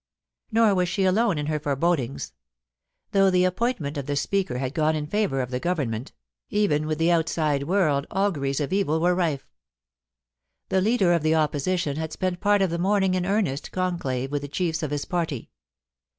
Nor was she alone in her forebodings. Though the ap pointment of the Speaker had gone in favour of the Ciovernment, even with the outside world auguries of evil 364 POLICY AND PASSION. were rife. The Leader of the Opposition had spent part of the morning in earnest conclave with the chiefs of his party.